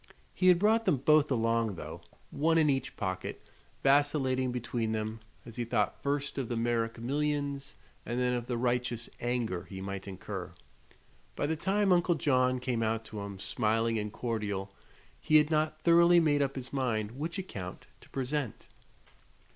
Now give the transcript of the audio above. He had brought them both along, though, one in each pocket, vacillating between them as he thought first of the Merrick millions and then of the righteous anger he might incur. By the time Uncle John came out to him, smiling and cordial, he had not thoroughly made up his mind which account to present.